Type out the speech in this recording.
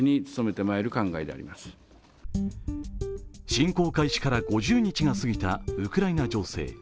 侵攻開始から５０日が過ぎたウクライナ情勢。